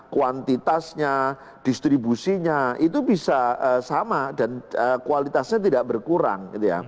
kuantitasnya distribusinya itu bisa sama dan kualitasnya tidak berkurang